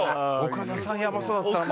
岡田さんやばそうだったわまた。